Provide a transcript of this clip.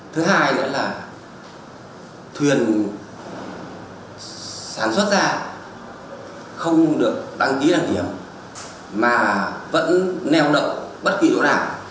thứ hai nữa là thuyền sản xuất ra không được đăng ký đăng kiểm mà vẫn neo đậu bất kỳ chỗ nào